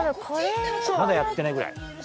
まだやってないぐらい？